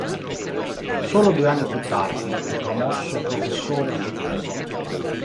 Solo due anni più tardi fu promosso professore effettivo.